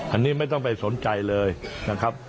อันนี้ไม่ต้องไปสนใจเลยนะครับ